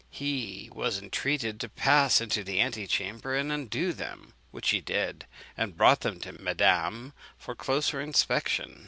He was entreated to pass into the antechamber and undo them, which he did, and brought them to madame for closer inspection.